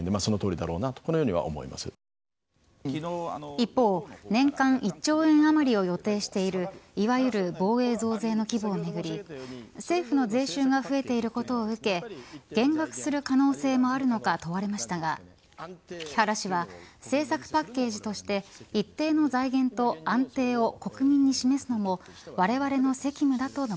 一方、年間１兆円余りを予定しているいわゆる防衛増税の規模をめぐり政府の税収が増えていることを受け減額する可能性もあるのか問われましたが木原氏は政策パッケージとして一定の財源と安定を男性）